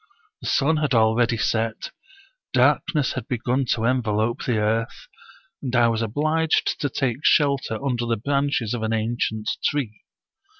The sun had already set, darkness had begun to envelope the earth, and I was obliged to take shelter under the branches of an ancient tree.